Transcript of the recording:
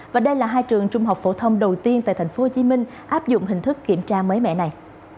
và đây là hai trường trung học phổ thông đầu tiên tại tp hcm áp dụng hình thức kiểm tra mới mẻ này